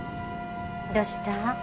どうした？